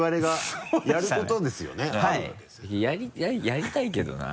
やりたいけどな。